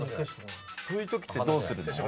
そういうときってどうするの？